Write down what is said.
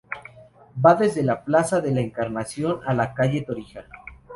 Va desde la plaza de la Encarnación a la calle de Torija.